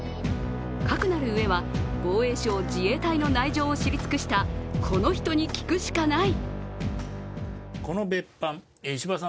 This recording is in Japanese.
かくなる上は防衛省・自衛隊の内情を知り尽くしたこの人に聞くしかない。